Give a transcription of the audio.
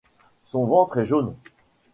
Son ventre est jaune.